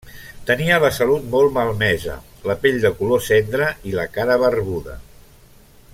Tenia la salut molt malmesa, la pell de color cendra i la cara barbuda.